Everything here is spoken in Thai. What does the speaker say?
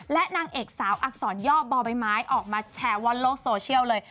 และนางเอกสาวอักษรย่อบ่อใบไม้ออกมาแชร์ว่าโลกโซเชียลเลย